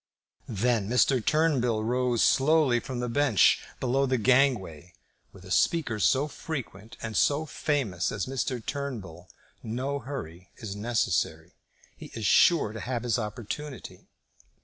Then Mr. Turnbull rose slowly from the bench below the gangway. With a speaker so frequent and so famous as Mr. Turnbull no hurry is necessary. He is sure to have his opportunity.